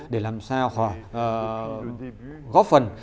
để làm sao góp phần